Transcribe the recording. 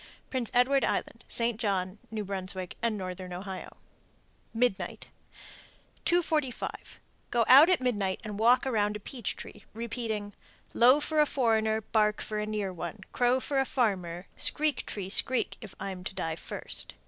Prince Edward Island, St. John, N.B., and Northern Ohio. MIDNIGHT. 245. Go out at midnight and walk around a peach tree, repeating, Low for a foreigner, Bark for a near one, Crow for a farmer, Screek, tree, screek, if I'm to die first.